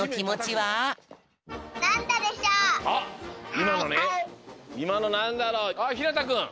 はいひなたくん。